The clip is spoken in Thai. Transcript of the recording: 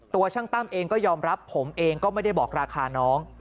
ช่างตั้มเองก็ยอมรับผมเองก็ไม่ได้บอกราคาน้อง